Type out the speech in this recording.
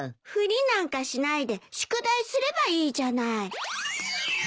ふりなんかしないで宿題すればいいじゃない。